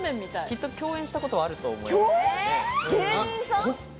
きっと共演したことはあると思います。